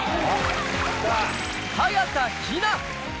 早田ひな。